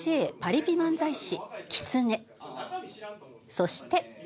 そして。